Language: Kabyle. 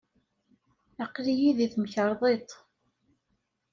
Aql-iyi deg temkarḍit.